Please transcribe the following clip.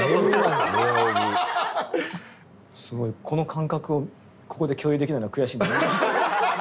すごいこの感覚をここで共有できないのが悔しい。